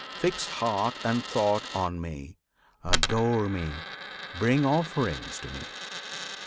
Fix heart and thought on Me! Adore Me! Bring Offerings to Me!